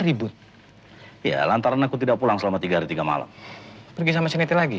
ribut ya lantaran aku tidak pulang selama tiga hari tiga malam pergi sama siniti lagi